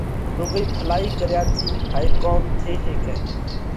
رُوڳئِي ڀلائِي ڪريا ٿِي هائي ڪوم ٿي هيڪئه۔